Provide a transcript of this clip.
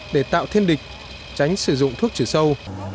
để tạo thêm địch tránh sử dụng thuốc trừ sâu